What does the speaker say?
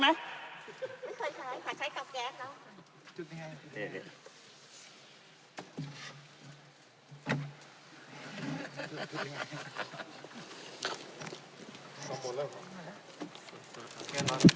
ไม่เคยใช้แต่ใช้กับแก๊สแล้ว